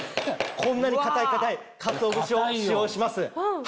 こんなに硬い硬いかつお節を使用します。